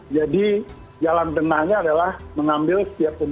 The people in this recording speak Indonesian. jadi jalan tenangnya adalah mengambil setiap pemain